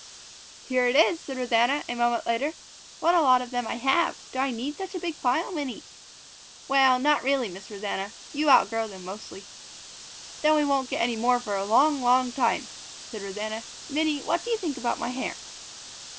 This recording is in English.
"Here it is," said Rosanna a moment later. "What a lot of them I have! Do I need such a big pile, Minnie?" "Well, not really, Miss Rosanna. You outgrow them mostly." "Then we won't get any more for a long, long time," said Rosanna. "Minnie, what do you think about my hair?"